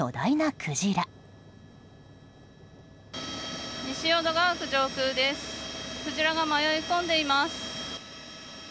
クジラが迷い込んでいます。